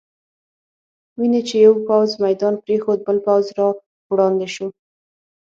وینې چې یو پوځ میدان پرېښود، بل پوځ را وړاندې شو.